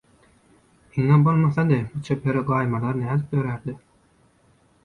Iňňe bolmasady bu çeper gaýmalar nädip dörärdi?!